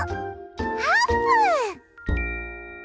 あーぷん！